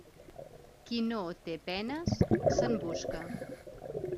Qui no té penes, se'n busca.